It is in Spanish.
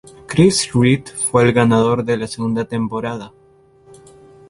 Chris Reed fue el ganador de la segunda temporada.